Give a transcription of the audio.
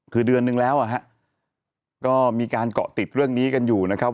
คือเดือนนึงแล้วอ่ะฮะก็มีการเกาะติดเรื่องนี้กันอยู่นะครับ